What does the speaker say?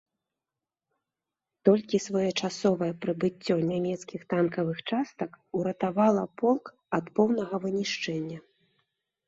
Толькі своечасовае прыбыццё нямецкіх танкавых частак уратавала полк ад поўнага вынішчэння.